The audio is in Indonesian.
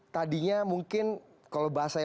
tadinya mungkin kalau bahasa yang